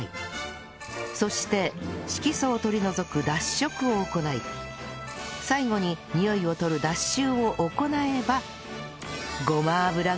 そして色素を取り除く脱色を行い最後ににおいを取る脱臭を行えば